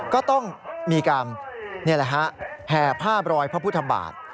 ก็ต้องมีการแห่ภาพรอยพระพุทธบาท